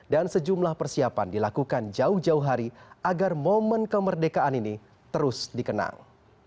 sejumlah persiapan dilakukan jauh jauh hari agar momen kemerdekaan ini terus dikenang